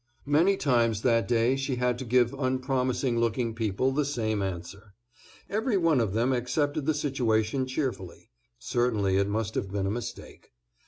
Many times that day she had to give unpromising looking people the same answer. Every one of them accepted the situation cheerfully; certainly it must have been a mistake.